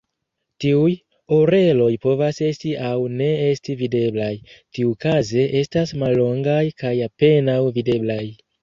Tiuj "oreloj" povas esti aŭ ne esti videblaj, tiukaze estas mallongaj kaj apenaŭ videblaj.